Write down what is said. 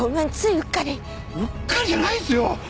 うっかりじゃないですよ。